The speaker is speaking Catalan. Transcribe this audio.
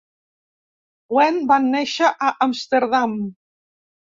Went va néixer a Amsterdam.